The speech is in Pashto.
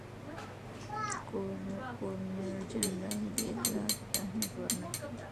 ګورنرجنرال دې اطلاعاتو ته اهمیت ورنه کړ.